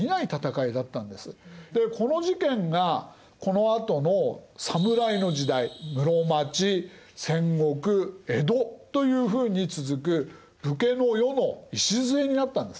でこの事件がこのあとの侍の時代室町・戦国・江戸というふうに続く武家の世の礎になったんですね。